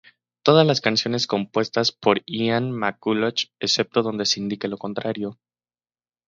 Todas las canciones compuestas por Ian McCulloch, excepto donde se indique lo contrario